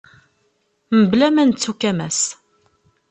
Mebla ma nettu-k a Mass.